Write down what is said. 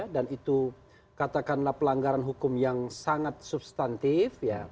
dan itu katakanlah pelanggaran hukum yang sangat substantif